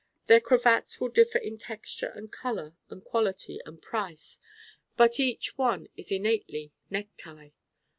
Their cravats will differ in texture and color and quality and price. But each one is innately necktie.